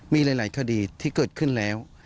มีหลายคดีที่เกิดขึ้นแล้ว